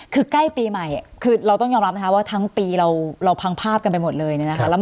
คือใกล้ปีใหม่เราต้องยอมรับทั้งปีเราผังภาพกันไปหมดเลยนะครับ